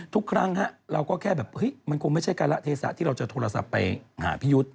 ทุกครั้งเราก็แค่แบบเฮ้ยมันคงไม่ใช่การละเทศะที่เราจะโทรศัพท์ไปหาพี่ยุทธ์